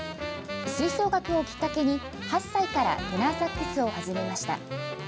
吹奏楽をきっかけに、８歳からテナーサックスを始めました。